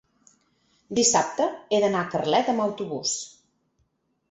Dissabte he d'anar a Carlet amb autobús.